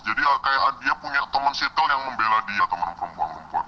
jadi kayak dia punya teman circle yang membela dia teman perempuan perempuan